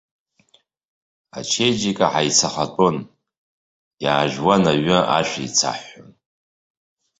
Ачеиџьыка ҳаицахатәон, иаажәуан аҩы, ашәа еицаҳҳәон.